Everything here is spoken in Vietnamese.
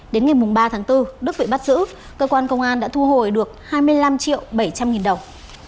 đến ngày ba tháng bốn đức bị bắt giữ cơ quan công an đã thu hồi được hai mươi năm triệu bảy trăm linh nghìn đồng